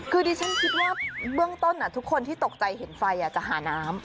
คือดิฉันคิดว่าเบื้องต้นทุกคนที่ตกใจเห็นไฟจะหาน้ำ